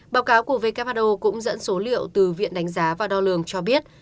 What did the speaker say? báo cáo của who cũng dẫn số liệu từ viện đánh giá và đo lường cho biết